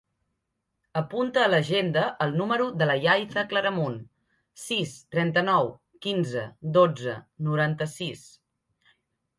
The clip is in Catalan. Apunta a l'agenda el número de la Yaiza Claramunt: sis, trenta-nou, quinze, dotze, noranta-sis.